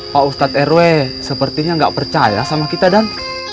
pak ustadz rw sepertinya nggak percaya sama kita dan